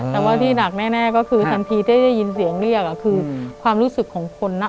แต่ว่าที่หนักแน่ก็คือทันทีได้ยินเสียงเรียกคือความรู้สึกของคนนะ